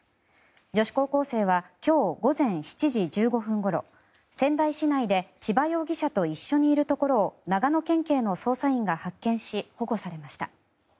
女子高校生は今日午前７時１５分ごろ仙台市内で千葉容疑者と一緒にいるところを長野県警の捜査員が発見し保護されました。